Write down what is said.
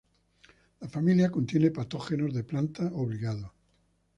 La familia contiene patógenos de plantas obligados.